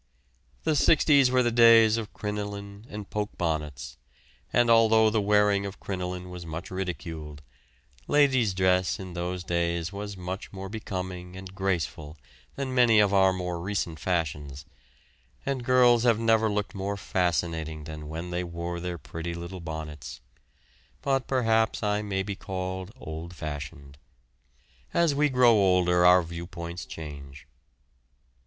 The 'sixties were the days of crinoline and poke bonnets, and although the wearing of crinoline was much ridiculed, ladies' dress in those days was much more becoming and graceful than many of our more recent fashions, and girls have never looked more fascinating than when they wore their pretty little bonnets; but perhaps I may be called old fashioned; as we grow older our view points change.